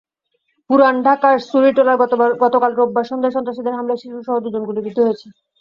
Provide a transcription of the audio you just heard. পুরান ঢাকার সুরিটোলায় গতকাল রোববার সন্ধ্যায় সন্ত্রাসীদের হামলায় শিশুসহ দুজন গুলিবিদ্ধ হয়েছে।